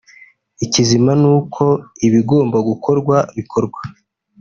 Ikizima ni uko ibigomba gukorwa bikorwa